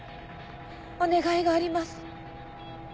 お願いがあります。